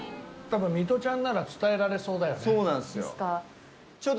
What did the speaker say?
ミトちゃんなら伝えられそうだよね。